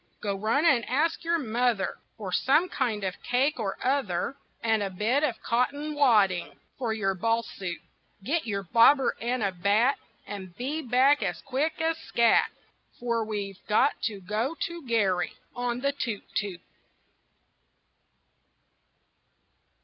Go run and ask your mother For some kind of cake or other, And a bit of cotton wadding For your ball suit. Get your bobber and a bat, And be back as quick as scat, For we've got to go to Garry On the toot toot.